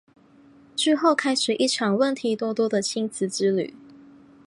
之后开始一场问题多多的亲子之旅。